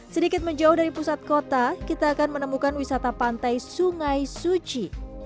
sedikit menjauh dari pusat kota kita akan menemukan wisata pantai sungai suci